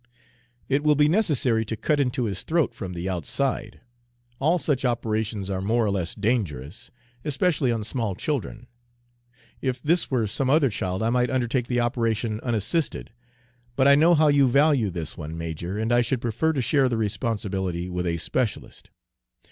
"It will be necessary to cut into his throat from the outside. All such operations are more or less dangerous, especially on small children. If this were some other child, I might undertake the operation unassisted; but I know how you value this one, major, and I should prefer to share the responsibility with a specialist."